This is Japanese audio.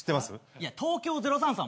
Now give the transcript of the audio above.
いや東京０３さん